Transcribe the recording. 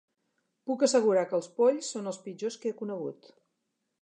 Puc assegurar que els polls són els pitjors que he conegut